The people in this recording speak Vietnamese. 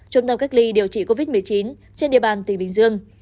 trung tâm cách ly điều trị covid một mươi chín trên địa bàn tỉnh bình dương